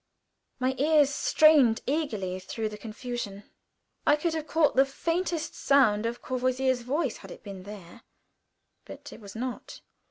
My ear strained eagerly through the confusion. I could have caught the faintest sound of Courvoisier's voice had it been there, but it was not.